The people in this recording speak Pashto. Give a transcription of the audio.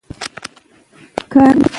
دی د ټولنې درد احساسوي.